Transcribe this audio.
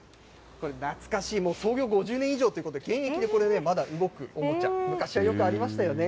これ懐かしい、もう創業５０年以上ということで、現役でこれ、まだ動くおもちゃ、昔はよくありましたよね。